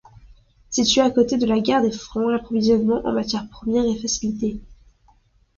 Située à côté de la gare des Francs, l’approvisionnement en matières premières est facilité.